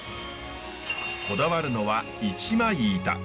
こだわるのは一枚板。